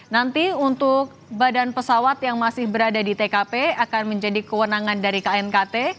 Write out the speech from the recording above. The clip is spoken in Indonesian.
nanti untuk badan pesawat yang masih berada di tkp akan menjadi kewenangan dari knkt